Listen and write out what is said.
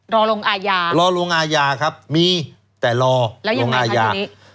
รอลงอาญารอลงอาญาครับมีแต่รอลงอาญา